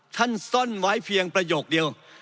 ซ่อนไว้เพียงประโยคเดียว